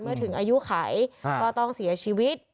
ถึงอายุไขก็ต้องเสียชีวิต